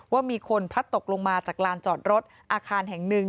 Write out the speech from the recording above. ว่ามีคนพลัดตกลงมาจากลานจอดรถอาคารแห่งหนึ่ง